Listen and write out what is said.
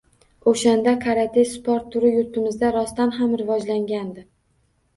Oʻshanda karate sport turi yurtimizda rostdan ham rivojlangandi.